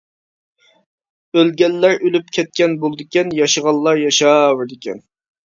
ئۆلگەنلەر ئۆلۈپ كەتكەن بولىدىكەن، ياشىغانلار ياشاۋېرىدىكەن.